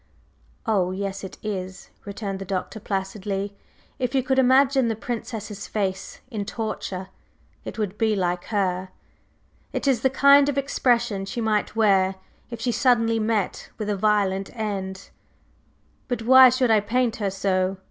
"Oh, yes it is!" returned the Doctor placidly. "If you could imagine the Princess's face in torture, it would be like her. It is the kind of expression she might wear if she suddenly met with a violent end." "But why should I paint her so?"